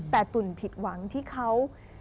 แต่ตุ๋นผิดหวังที่เขา